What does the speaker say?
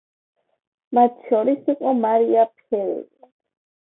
მათ შორის იყო მარია ფერეირაც.